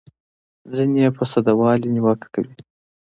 ځینې یې په ساده والي نیوکه کوي.